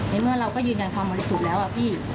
เมื่อเราก็ยืนยันความบริสุทธิ์แล้วอะพี่